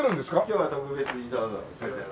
今日は特別にどうぞ。